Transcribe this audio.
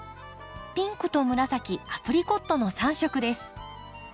ピンクと紫アプリコットの３色です。